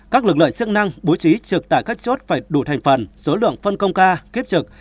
các lực lượng chức năng bố trí trực tại các chốt phải đủ thành phần số lượng phân công ca kiếp trực